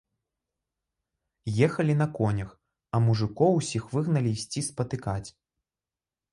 Ехалі на конях, а мужыкоў усіх выгналі ісці спатыкаць.